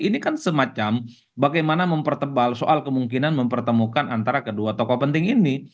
ini kan semacam bagaimana mempertebal soal kemungkinan mempertemukan antara kedua tokoh penting ini